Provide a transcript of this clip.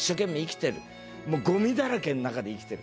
もうごみだらけの中で生きてる。